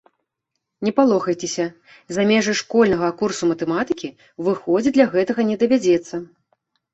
Не палохайцеся, за межы школьнага курсу матэматыкі выходзіць для гэтага не давядзецца.